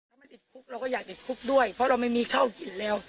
ถ้าไม่ติดคุกเราก็อยากติดคุกด้วยเพราะเราไม่มีข้าวกินแล้ว